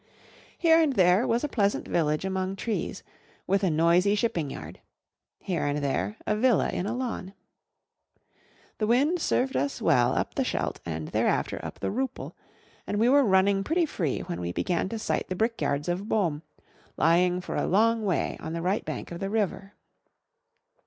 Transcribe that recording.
Here and there was a pleasant village among trees, with a noisy shipping yard; here and there a villa in a lawn. The wind served us well up the Scheldt and thereafter up the Rupel; and we were running pretty free when we began to sight the brickyards of Boom, lying for a long way on the right bank of the river.